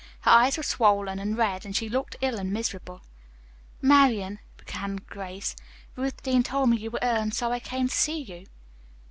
Her eyes were swollen and red, and she looked ill and miserable. "Marian," began Grace, "Ruth Deane told me you were ill, and so I came to see you."